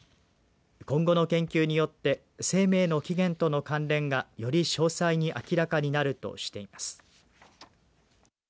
今後の研究によって生命の起源との関連がより詳細に明らかになるとしています。